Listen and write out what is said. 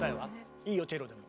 いいよチェロでも。